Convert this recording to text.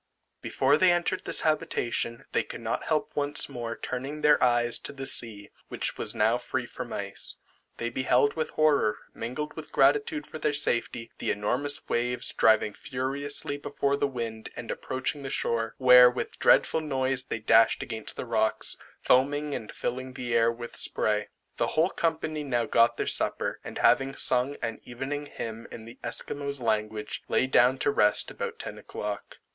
Before they entered this habitation, they could not help once more turning their eyes to the sea, which was now free from ice. They beheld with horror, mingled with gratitude for their safety, the enormous waves driving furiously before the wind and approaching the shore, where with dreadful noise they dashed against the rocks, foaming and filling the air with spray. The whole company now got their supper, and having sung an evening hymn in the Esquimaux language, lay down to rest about ten o'clock.